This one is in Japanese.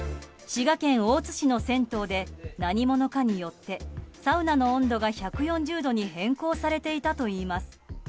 滋賀県大津市の銭湯で何者かによってサウナの温度が、１４０度に変更されていたといいます。